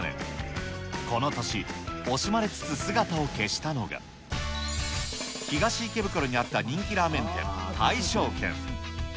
この年、惜しまれつつ姿を消したのが、東池袋にあった人気ラーメン店、大勝軒。